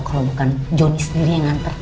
kalau bukan jonny sendiri yang nganter